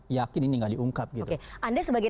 yakin ini nggak diungkap gitu anda sebagai